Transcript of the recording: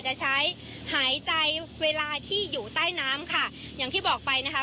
จะใช้หายใจเวลาที่อยู่ใต้น้ำค่ะอย่างที่บอกไปนะคะ